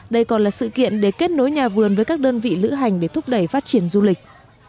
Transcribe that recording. đây còn là sự kiện để kết nối nhà vườn với các đơn vị lữ hành để thúc đẩy phát triển du lịch